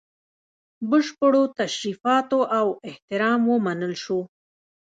بشپړو تشریفاتو او احترام ومنل سو.